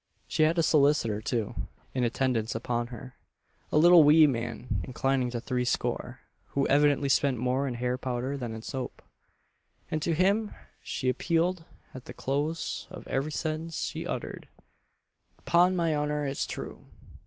She had a solicitor, too, in attendance upon her a little wee man, inclining to threescore, who evidently spent more in hair powder than in soap; and to him she appealed at the close of every sentence she uttered "'Pon my honour it's true!